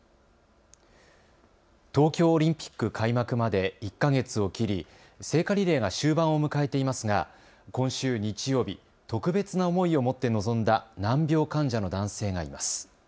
東京オリンピック開幕まで１か月を切り聖火リレーが終盤を迎えていますが今週日曜日、特別な思いを持って臨んだ難病患者の男性がいます。